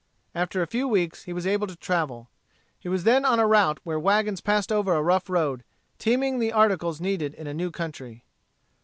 After a few weeks he was able to travel. He was then on a route where wagons passed over a rough road, teaming the articles needed in a new country.